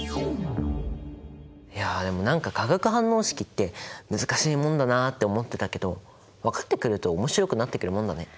いやでも何か化学反応式って難しいもんだなって思ってたけど分かってくると面白くなってくるもんだね。